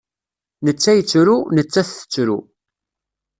Netta yettru, nettat tettru.